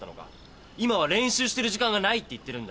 今は練習してる時間がないって言ってるんだよ。